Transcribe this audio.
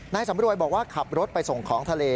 สำรวยบอกว่าขับรถไปส่งของทะเล